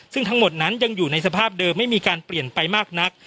ซึ่งทั้งหมดนั้นยังอยู่ในสภาพเดิมไม่มีการเปลี่ยนไปมากนัก